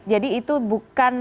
jadi itu bukan